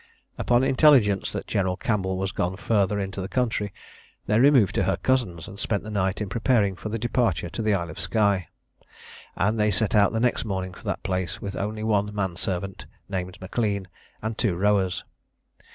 Upon intelligence that General Campbell was gone further into the country, they removed to her cousin's, and spent the night in preparing for their departure to the Isle of Skye: and they set out the next morning for that place, with only one man servant, named M'Lean, and two rowers.